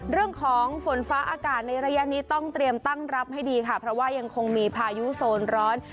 เรื่องของฝนฟ้าอากาศในระยะนี้ต้องเตรียมตั้งรับให้ดีค่ะเพราะว่ายังคงมีพายุโซนร้อน